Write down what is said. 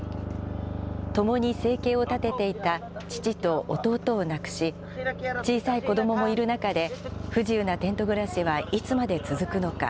共に生計を立てていた父と弟を亡くし、小さい子どももいる中で、不自由なテント暮らしはいつまで続くのか。